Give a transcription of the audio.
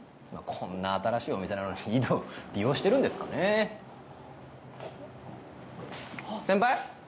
こんな新しいお店なのに井戸利用してるんですかね先輩？